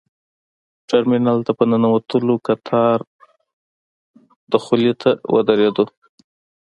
ترمینل ته په ننوتلو کتار دخولي ته ودرېدو.